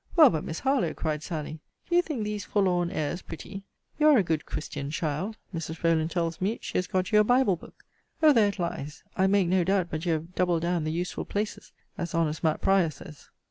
Well, but, Miss Harlowe, cried Sally, do you think these forlorn airs pretty? You are a good christian, child. Mrs. Rowland tells me, she has got you a Bible book. O there it lies! I make no doubt but you have doubled down the useful places, as honest Matt. Prior says.